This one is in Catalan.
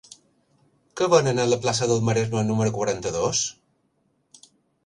Què venen a la plaça del Maresme número quaranta-dos?